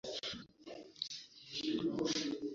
ibirundo bibiri ku irembo bihagume bigeze ejo